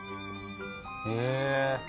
へえ。